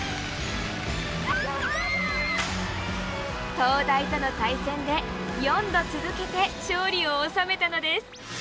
東大との対戦で４度続けて勝利を収めたのです！